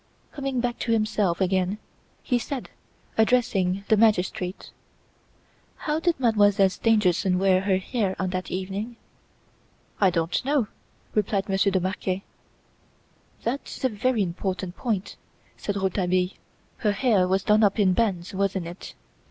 Coming back to himself again he said, addressing the magistrate: "How did Mademoiselle Stangerson wear her hair on that evening?" "I don't know," replied Monsieur de Marquet. "That's a very important point," said Rouletabille. "Her hair was done up in bands, wasn't it?